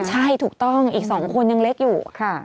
ใช่ถูกต้องอีก๒คนยังเล็กอยู่